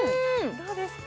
どうですか？